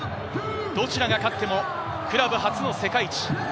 どちらが勝ってもクラブ初の世界一。